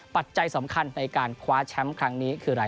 ปัจจัยสำคัญในการคว้าแชมป์ครั้งนี้คืออะไร